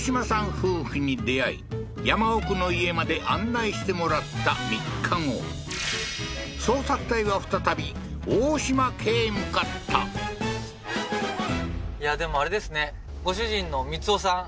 夫婦に出会い山奥の家まで案内してもらった３日後捜索隊は再び大島家へ向かったいやでもあれですねご主人の光夫さん